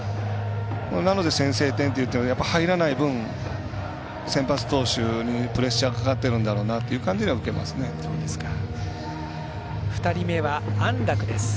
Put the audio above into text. なので、先制点っていっているので、入らない分先発投手にプレッシャーかかってるんだろうなという２人目は安樂です。